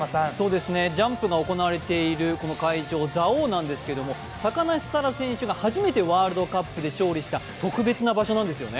ジャンプが行われている会場、蔵王なんですけれども、高梨沙羅選手が初めてワールドカップで勝利した特別な場所なんですよね。